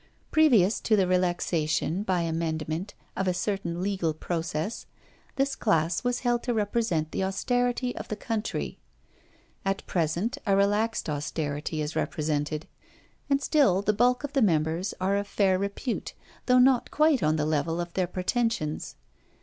Previous to the relaxation, by amendment, of a certain legal process, this class was held to represent the austerity of the country. At present a relaxed austerity is represented; and still the bulk of the members are of fair repute, though not quite on the level of their pretensions.